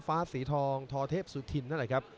ฟ้าศรีทองธสุถินนั่นแหละครับ